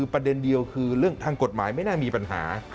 ประเด็นเดียวคือเรื่องทางกฎหมายไม่น่ามีปัญหา